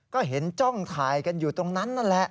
ก็เห็นจ้องถ่ายกันอยู่ตรงนั้นนั่นแหละ